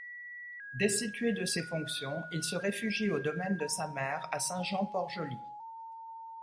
Destitué de ses fonctions, il se réfugie au domaine de sa mère à Saint-Jean-Port-Joli.